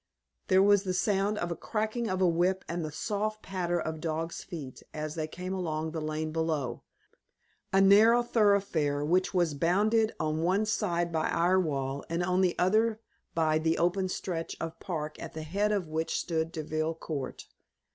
There was the sound of the cracking of a whip and the soft patter of dogs' feet as they came along the lane below a narrow thoroughfare which was bounded on one side by our wall and on the other by the open stretch of park at the head of which stood Deville Court.